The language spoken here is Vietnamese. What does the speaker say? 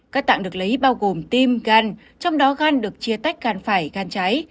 các tạng được lấy bao gồm tim gan trong đó gan được chia tách gan phải gan cháy